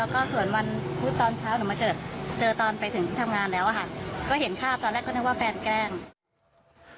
ก็เห็นภาพตอนแรกก็นึกว่าแฟนแกล้ง